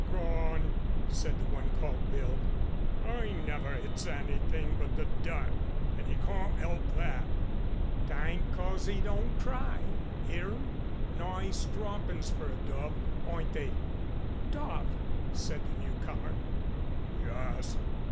"Garn!" said the one called Bill. "'E never 'its anythink but the dirt an' 'e cawn't 'elp that." "'Tayn't 'cos 'e don't try. 'Ear 'em? Nice droppin's fer a dove, ayn't they?" "Dove?" said the newcomer. "Yus.